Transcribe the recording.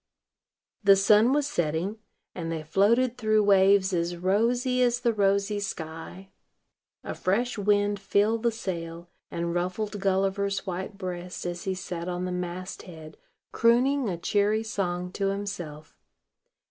The sun was setting; and they floated through waves as rosy as the rosy sky. A fresh wind filled the sail, and ruffled Gulliver's white breast as he sat on the mast head crooning a cheery song to himself.